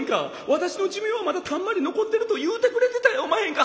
私の寿命はまだたんまり残ってると言うてくれてたやおまへんか。